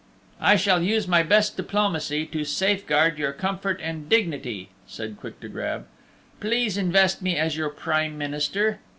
"I shall use my best diplomacy to safeguard your comfort and dignity," said Quick to Grab, "please invest me as your Prime Minister."